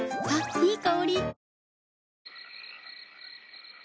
いい香り。